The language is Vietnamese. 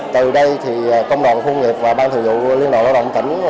từ đây thì công đoàn khu công nghiệp và ban thử dụng liên đoàn lao động tỉnh